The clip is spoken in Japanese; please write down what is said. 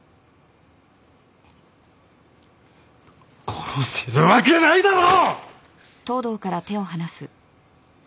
殺せるわけないだろ！